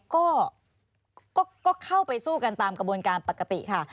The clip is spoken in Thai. ก็เข้าไปสู้กันตามกระบวนการปกติค่ะ